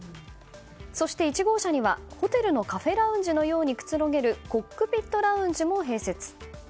そして、１号車にはホテルのカフェラウンジのようにくつろげるコックピットラウンジも併設。